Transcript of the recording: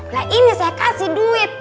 nah ini saya kasih duit